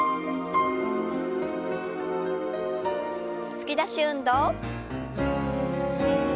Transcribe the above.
突き出し運動。